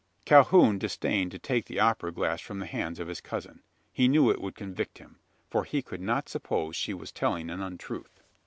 Calhoun disdained to take the opera glass from the hands of his cousin. He knew it would convict him: for he could not suppose she was telling an untruth.